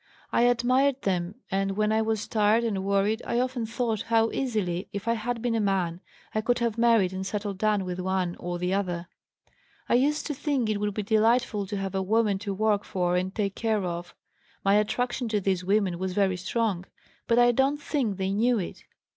I admired them and when I was tired and worried I often thought how easily, if I had been a man, I could have married and settled down with one or the other. I used to think it would be delightful to have a woman to work for and take care of. My attraction to these women was very strong, but I don't think they knew it.